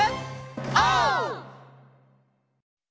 オー！